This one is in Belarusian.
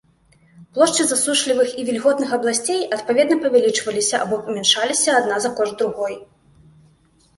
Плошчы засушлівых і вільготных абласцей адпаведна павялічваліся або памяншаліся адна за кошт другой.